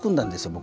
僕。